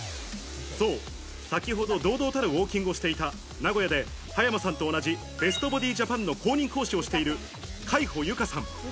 先ほど堂々たるウォーキングをしていた名古屋で葉山さんと同じベストボディジャパンの公認講師をしている海保由佳さん。